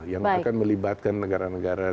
yang akan melibatkan negara negara